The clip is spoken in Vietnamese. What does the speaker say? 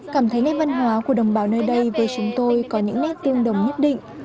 cảm thấy nét văn hóa của đồng bào nơi đây về chúng tôi có những nét tương đồng nhất định